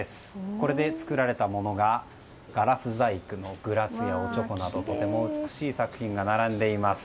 これで作られたものがガラス細工のグラスやおちょこなど、とても美しい作品が並んでいます。